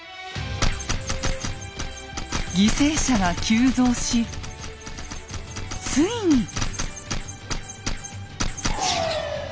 犠牲者が急増しついに。